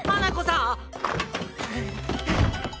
ん？